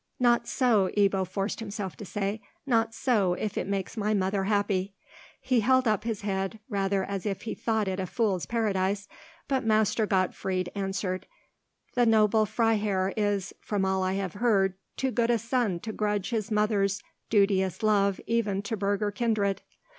"Not so," Ebbo forced himself to say; "not so, if it makes my mother happy." He held up his head rather as if he thought it a fool's paradise, but Master Gottfried answered: "The noble Freiherr is, from all I have heard, too good a son to grudge his mother's duteous love even to burgher kindred."